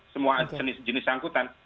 semua jenis angkutan